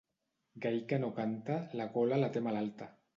Gall que no canta, la gola la té malalta.